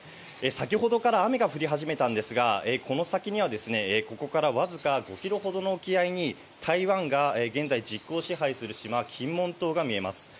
先ほどから雨が降り始めたんですが、この先にはですね、ここからわずか５キロほどの沖合いに台湾が現在、実効支配する島、金門島が見えます。